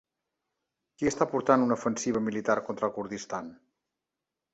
Qui està portant una ofensiva militar contra el Kurdistan?